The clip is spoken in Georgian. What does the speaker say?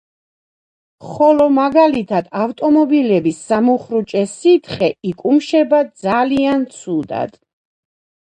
ხოლო მაგალითად, ავტომობილების სამუხრუჭე სითხე, იკუმშება ძალიან ცუდად.